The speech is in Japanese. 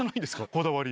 こだわり。